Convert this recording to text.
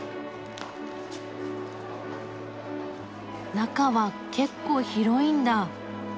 中は結構広いんだ。